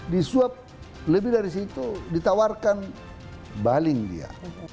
disuap lebih dari situ ditawarkan baling dia